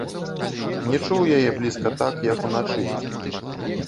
Не чуў яе блізка так, як уначы.